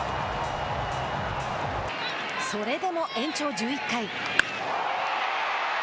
それでも延長１１回。